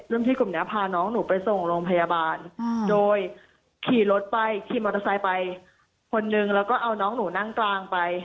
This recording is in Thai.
พี่กลุ่มนี้พาน้องหนูไปส่งโรงพยาบาลโดยขี่รถไปขี่มอเตอร์ไซค์ไปคนนึงแล้วก็เอาน้องหนูนั่งกลางไป